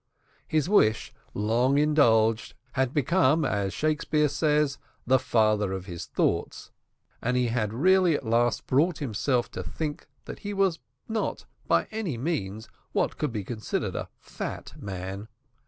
His wish, long indulged, had become, as Shakespeare says, the father of his thought, and he had really at last brought himself to think that he was not by any means what could be considered a fat man.